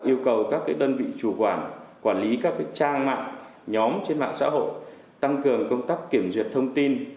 yêu cầu các đơn vị chủ quản quản lý các trang mạng nhóm trên mạng xã hội tăng cường công tác kiểm duyệt thông tin